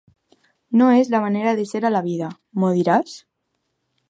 No és la manera de ser a la vida, m'ho diràs?